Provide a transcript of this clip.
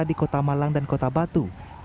di kota malang dan kota batu